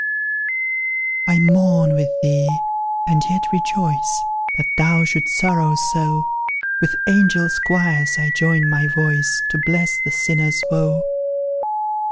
I mourn with thee, and yet rejoice That thou shouldst sorrow so; With angel choirs I join my voice To bless the sinner's woe.